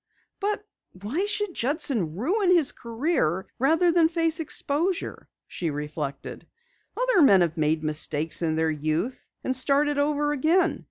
"But why should Judson ruin his career rather than face exposure?" she reflected. "Other men have made mistakes in their youth and started over again.